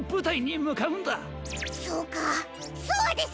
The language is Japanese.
そうかそうです！